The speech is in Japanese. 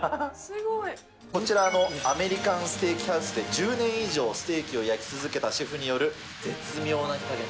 こちらのアメリカンステーキハウスで１０年以上ステーキを焼き続けたシェフによる絶妙な火加減。